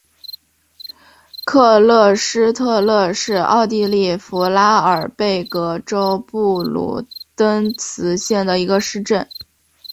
克勒施特勒是奥地利福拉尔贝格州布卢登茨县的一个市镇。